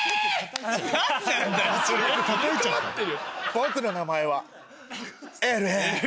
僕の名前はＬＬ！